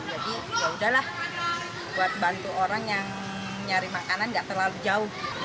jadi yaudahlah buat bantu orang yang nyari makanan tidak terlalu jauh